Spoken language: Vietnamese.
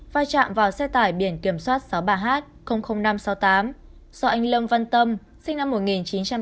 pha chạm vào xe tải biển kiểm soát sáu mươi ba h năm trăm sáu mươi tám do anh lâm văn tâm